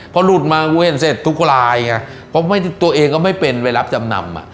พอหลุดมากูเห็นเสร็จทุกลายไงเพราะตัวเองก็ไม่เป็นไปรับจำนำอ่ะ